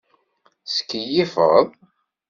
Tettkeyyifeḍ?